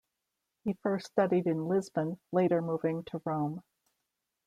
He first studied in Lisbon, later moving to Rome.